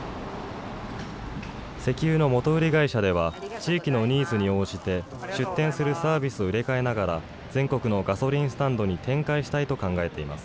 地域のニーズに応じて、出店するサービスを入れ替えながら、全国のガソリンスタンドに展開したいと考えています。